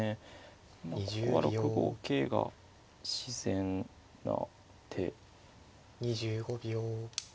まあここは６五桂が自然な手ですか。